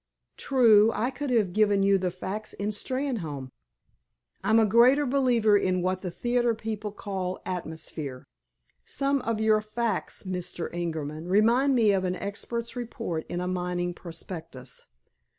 "True. I could have given you the facts in Steynholme." "I'm a greater believer in what the theater people call 'atmosphere.' Some of your facts, Mr. Ingerman, remind me of an expert's report in a mining prospectus.